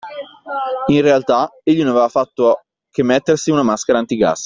In realtà, egli non aveva fatto che mettersi una maschera antigas.